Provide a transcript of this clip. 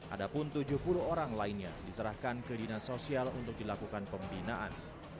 ada pun tujuh puluh orang lainnya diserahkan ke dinas sosial untuk dilakukan pembinaan